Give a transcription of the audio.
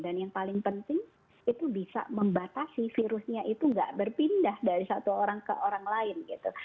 dan yang paling penting itu bisa membatasi virusnya itu gak berpindah dari satu orang ke orang lain gitu